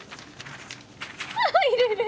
ああいるいる！